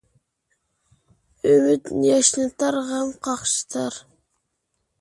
ئۈمۈد ياشنىتار، غەم قاقشىتار.